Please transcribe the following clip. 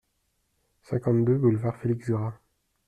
cinquante-deux boulevard Félix Grat